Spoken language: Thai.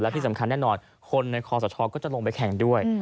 ที่สำคัญแน่นอนคนในคอสชก็จะลงไปแข่งด้วย